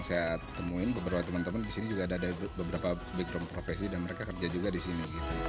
saya temuin beberapa teman teman di sini juga ada beberapa background profesi dan mereka kerja juga di sini